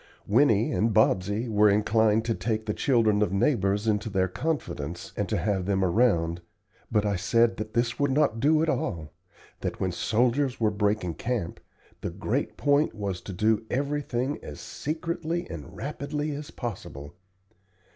Winnie and Bobsey were inclined to take the children of neighbors into their confidence, and to have them around, but I said that this would not do at all that when soldiers were breaking camp the great point was to do everything as secretly and rapidly as possible.